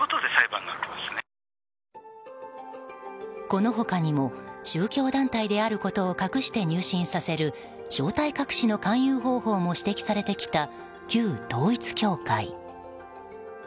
この他にも宗教団体であることを隠して入信させるなど正体隠しの勧誘方法も指摘されてきた旧統一教会。